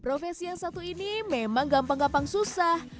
profesi yang satu ini memang gampang gampang susah